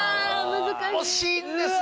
惜しいんですよ